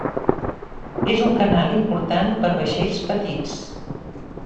És un canal important per vaixells petits.